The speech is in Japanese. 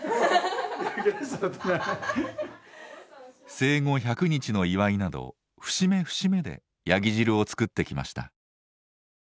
生後１００日の祝いなど節目節目でヤギ汁を作ってきました。